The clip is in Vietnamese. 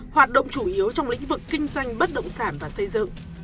hoạt động chủ yếu trong lĩnh vực kinh doanh bất động sản và xây dựng